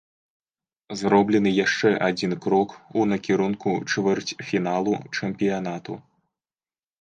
Зроблены яшчэ адзін крок у накірунку чвэрцьфіналу чэмпіянату.